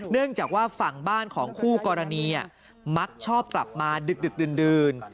เนื่องจากว่าฝั่งบ้านของคู่กรณีมักชอบกลับมาดึกดื่น